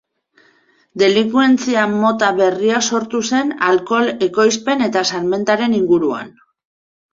Delinkuentzia mota berria sortu zen alkohol ekoizpen eta salmentaren inguruan.